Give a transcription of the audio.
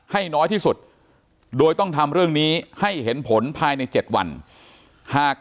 ให้น้อยที่สุดโดยต้องทำเรื่องนี้ให้เห็นผลภายใน๗วันหาก